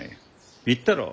言ったろう？